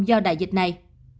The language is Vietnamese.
do đại dịch này